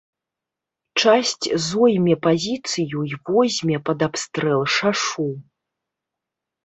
Часць зойме пазіцыю і возьме пад абстрэл шашу.